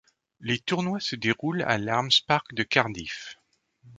Les tournois se déroulent à l'Arms Park de Cardiff.